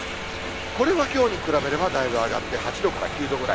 これはきょうに比べればだいぶ上がって８度から９度ぐらい。